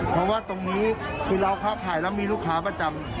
เพราะว่าตรงนี้คือเราค้าขายแล้วมีลูกค้าประจำ